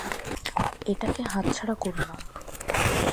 এটাকে হাতছাড়া করো না।